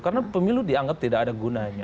karena pemilu dianggap tidak ada gunanya